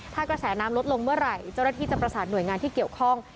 ถ้ากระแสน้ำลดลงเมื่อไหร่เจ้าหน้าที่จะประสานหน่วยงานที่เกี่ยวข้อง